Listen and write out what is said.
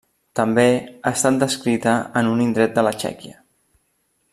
També ha estat descrita en un indret de la Txèquia.